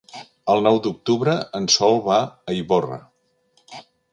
El nou d'octubre en Sol va a Ivorra.